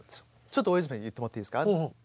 ちょっと大泉さん言ってもらっていいですか？